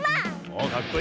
おっかっこいい。